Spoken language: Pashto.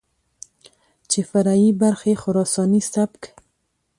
چې فرعي برخې خراساني سبک،